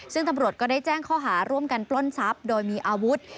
ซึ่งตำรวจก็ได้แจ้งข้อหาร่วมกันปล้นทรัพย์โดยมีอาวุธ